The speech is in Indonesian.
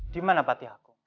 dimana patih aku